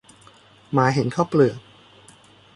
หมาเห็นข้าวเปลือก